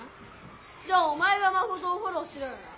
じゃあおまえがマコトをフォローしろよな。